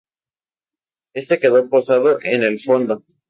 Este quedó posado en el fondo.